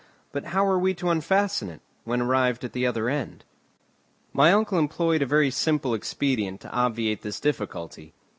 But how were we to unfasten it, when arrived at the other end? My uncle employed a very simple expedient to obviate this difficulty.